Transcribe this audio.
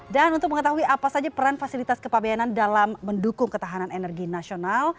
dan untuk mengetahui apa saja peran fasilitas kepabayanan dalam mendukung ketahanan energi nasional